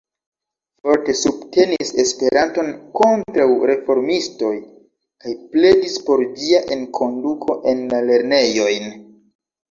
Forte subtenis Esperanton kontraŭ reformistoj kaj pledis por ĝia enkonduko en la lernejojn.